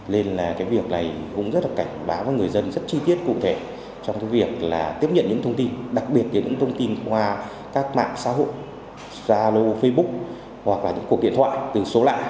nên là cái việc này cũng rất là cảnh báo với người dân rất chi tiết cụ thể trong cái việc là tiếp nhận những thông tin đặc biệt là những thông tin qua các mạng xã hội stralo facebook hoặc là những cuộc điện thoại từ số lại